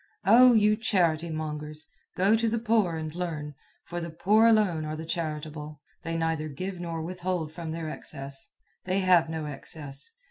Oh, you charity mongers! Go to the poor and learn, for the poor alone are the charitable. They neither give nor withhold from their excess. They have no excess.